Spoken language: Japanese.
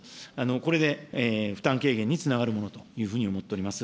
これで負担軽減につながるものというふうに思っております。